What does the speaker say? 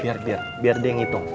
biar biar biar deh ngitung